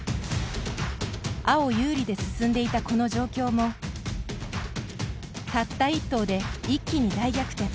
青、有利で進んでいたこの状況もたった１投で、一気に大逆転！